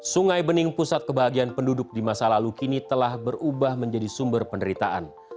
sungai bening pusat kebahagiaan penduduk di masa lalu kini telah berubah menjadi sumber penderitaan